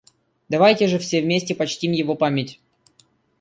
Давайте же все вместе почтим его память!